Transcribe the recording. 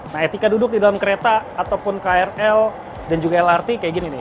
nah etika duduk di dalam kereta ataupun krl dan juga lrt kayak gini nih